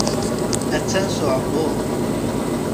Attan s uƐebbuḍ.